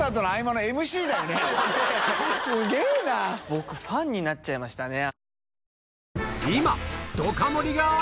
僕ファンになっちゃいましたね。